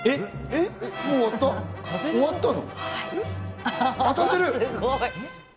もう終わったの？